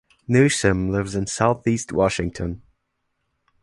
Newsham lives in Southeast Washington.